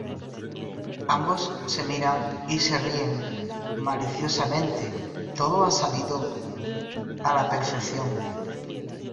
Ambos se miran y se ríen maliciosamente. Todo ha salido a la perfección.